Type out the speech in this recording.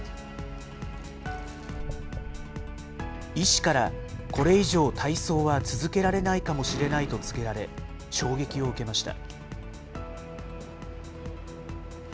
医師から、これ以上体操は続けられないかもしれないと告げられ、衝撃を受けました。